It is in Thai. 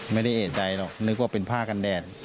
ไม่ได้เอกใจหรอกนึกว่าเป็นผ้ากันแดด